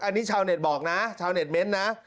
อันนี้ชาวเน็ตบอกนะชาวเน็ตเม้นต์นะ